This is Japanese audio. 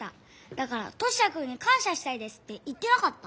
だからトシヤくんにかんしゃしたいですって言ってなかった？